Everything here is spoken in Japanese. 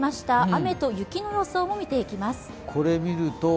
雨と雪の予想を見ていきます。